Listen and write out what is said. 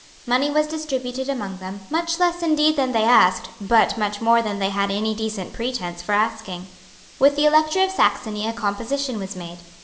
Money was distributed among them, much less indeed than they asked, but much more than they had any decent pretence for asking. With the Elector of Saxony a composition was made.